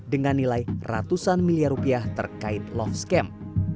dengan nilai ratusan miliar rupiah terkait love scam